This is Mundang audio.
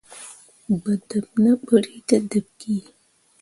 Gbǝ dǝb ne ɓerri te dǝɓ ki.